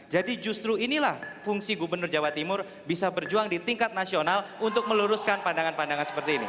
jadi justru inilah fungsi gubernur jawa timur bisa berjuang di tingkat nasional untuk meluruskan pandangan pandangan seperti ini